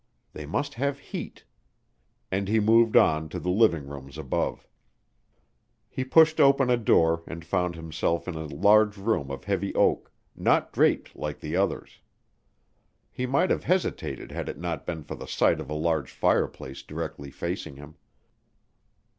They must have heat; and he moved on to the living rooms above. He pushed open a door and found himself in a large room of heavy oak, not draped like the others. He might have hesitated had it not been for the sight of a large fireplace directly facing him.